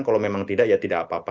kalau memang tidak ya tidak apa apa